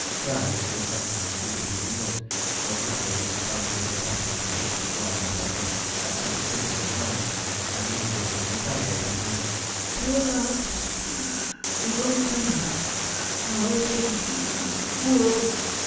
Crowdey, who was not so stupid as he looked, was nettled at Sponge's attempting to fix his wife upon him at such a critical moment, and immediately retaliated with, 'P'raps (puff) you'd like to (puff) out and (wheeze) walk.'